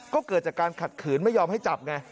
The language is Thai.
ก็เกิดจากการขัดขืนไม่ยอมให้จับไง